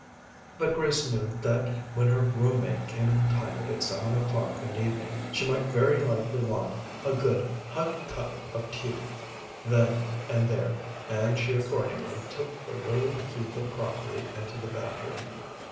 But Grace knew that when her room mate came in tired at seven o'clock that evening she might very likely want "a good hot cup of tea" then and there, and she accordingly took the little heap of crockery into the bathroom.